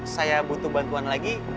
saya butuh bantuan lagi